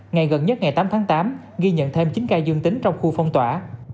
ngày gần nhất ngày tám tháng tám ghi nhận thêm chín ca dương tính trong khu phong tỏa